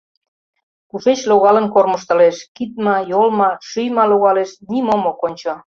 Кушеч логалын кормыжтылеш: кид ма, йол ма, шӱй ма логалеш — нимом ок ончо.